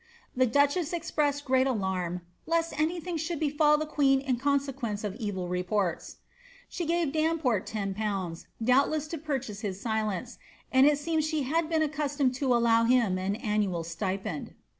The duchess expressed great alarm lest any thing should befall the queen in consequence of evil reports." She gave Damport 1 0/., doubtless to purchase his silence, and it seems she had been accustomed to allow him an annual stipend.